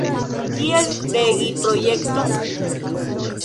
Kiel regi projekton?